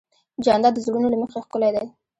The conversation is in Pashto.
جانداد د زړونو له مخې ښکلی دی.